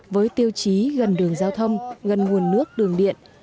với tiêu chí gần đường giao thông gần nguồn nước đường điện